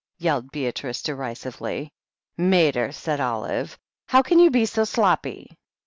yelled Beatrice derisively, "Mater !" said Olive, "how can you be so sloppy